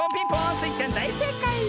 スイちゃんだいせいかい！